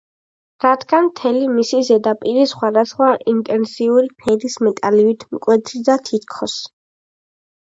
რადგან მთელი მისი ზედაპირი სხვადასხვა ინტენსიური ფერის მეტალივით მკვეთრი და თითქოს